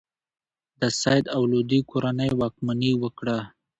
د سید او لودي کورنۍ واکمني وکړه.